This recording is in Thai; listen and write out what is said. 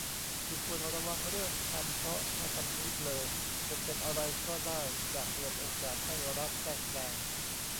ที่ควรระวังเรื่องคำ เพราะถ้าคำนี้เบลอจนเป็นอะไรก็ได้ จะเปิดโอกาสให้รัฐแทรกแซง